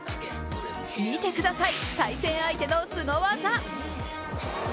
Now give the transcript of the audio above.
見てください、対戦相手のすご技。